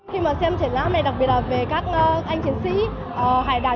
khi mà xem triển lãm này đặc biệt là về các anh chiến sĩ hải đảo